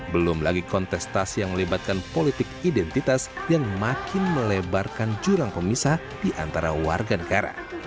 belum lagi kontestasi yang melibatkan politik identitas yang makin melebarkan jurang pemisah di antara warga negara